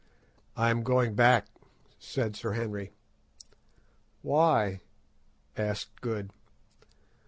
"I am going back," said Sir Henry. "Why?" asked Good.